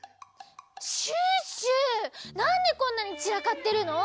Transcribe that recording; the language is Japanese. シュッシュなんでこんなにちらかってるの？